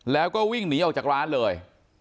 แล้วก็วิ่งหนีออกจากร้านเลย